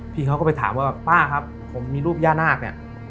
พี่เขาก็ไปถามว่าป้าครับผมมีรูปย่านาคเนี่ย